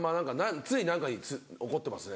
常に何かに怒ってますね。